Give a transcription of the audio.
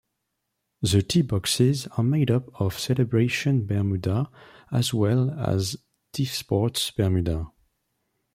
The tee boxes are made up of Celebration Bermuda as well as TifSports Bermuda.